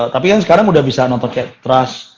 tapi kan sekarang udah bisa nonton kayak trust